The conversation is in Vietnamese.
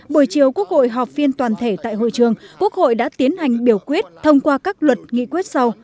buổi chiều quốc hội họp phiên toàn thể tại hội trường quốc hội đã tiến hành biểu quyết thông qua các luật nghị quyết sau